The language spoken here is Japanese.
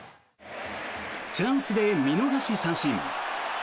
チャンスで見逃し三振。